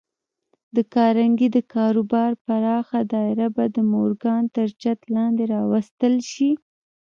د کارنګي د کاروبار پراخه دايره به د مورګان تر چت لاندې راوستل شي.